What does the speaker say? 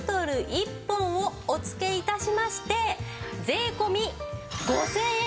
１本をお付け致しまして税込５０００円です！